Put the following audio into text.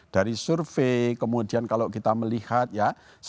dari survei kemudian kalau kita melihat ya